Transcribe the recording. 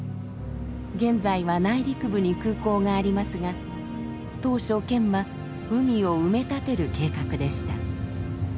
現在は内陸部に空港がありますが当初県は海を埋め立てる計画でした。